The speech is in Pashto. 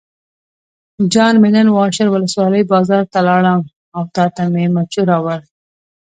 جان مې نن واشر ولسوالۍ بازار ته لاړم او تاته مې مچو راوړل.